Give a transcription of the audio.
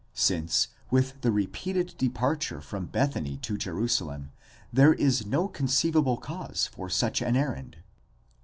since with the repeated depar ture from Bethany to Jerusalem, there is no conceivable cause for such an errand.